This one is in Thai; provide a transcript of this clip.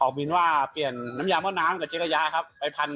ออกบินว่าเปลี่ยนน้ำยาอาวุธน้ำและเจ๊กระยะครับไป๑๕๐๐บาท